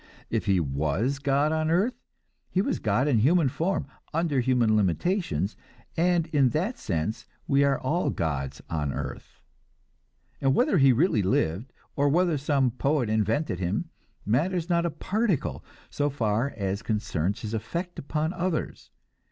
If he was God on earth, he was God in human form, under human limitations, and in that sense we are all gods on earth. And whether he really lived, or whether some poet invented him, matters not a particle so far as concerns his effect upon others.